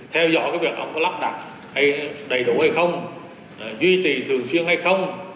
theo dõi việc ổng có lắp đặt đầy đủ hay không duy trì thường xuyên hay không